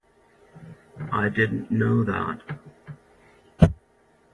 I didn't know that.